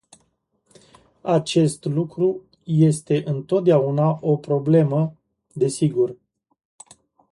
Acest lucru este întotdeauna o problemă, desigur.